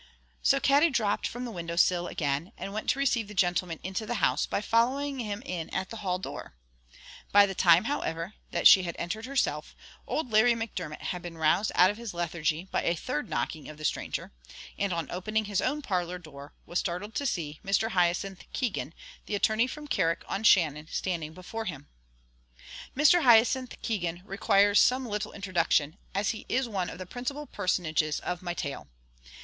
So Katty dropped from the window sill again, and went to receive the gentleman into the house by following him in at the hall door. By the time, however, that she had entered herself, old Larry Macdermot had been aroused out of his lethargy by a third knocking of the stranger; and on opening his own parlour door, was startled to see Mr. Hyacinth Keegan, the attorney from Carrick on Shannon, standing before him. Mr. Hyacinth Keegan requires some little introduction, as he is one of the principal personages of my tale.